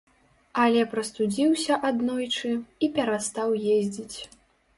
Але прастудзіўся аднойчы, і перастаў ездзіць.